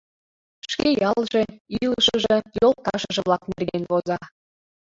Шке ялже, илышыже, йолташыже-влак нерген воза.